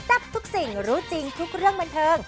ทับทุกสิ่งรู้จริงทุกเรื่องบันเทิง